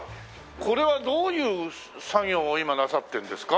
これはどういう作業を今なさってるんですか？